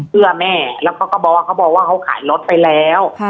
เพื่อแม่แล้วก็เขาบอกว่าเขาขายรถไปแล้ว